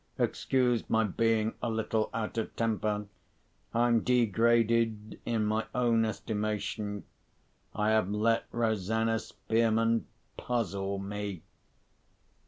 Excuse my being a little out of temper; I'm degraded in my own estimation—I have let Rosanna Spearman puzzle me."